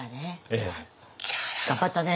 ええ。頑張ったね。